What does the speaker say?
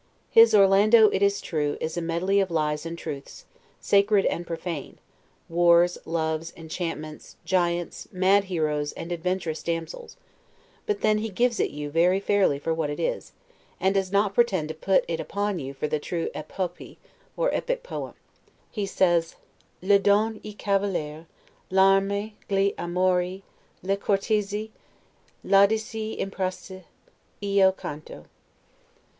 His "Orlando," it is true, is a medley of lies and truths sacred and profane wars, loves, enchantments, giants, madheroes, and adventurous damsels, but then, he gives it you very fairly for what it is, and does not pretend to put it upon you for the true 'epopee', or epic poem. He says: "Le Donne, i Cavalier, l'arme, gli amori Le cortesie, l'audaci imprese, io canto."